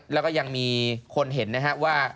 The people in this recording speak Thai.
แล้วก็ยังมีคนเห็นนะฮะว่า